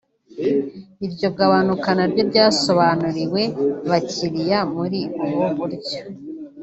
Iryo gabanuka naryo ryasobanuriwe bakiriya muri ubu buryo